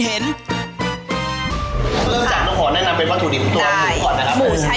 เริ่มจากวาทูดิลก่อนนะครับ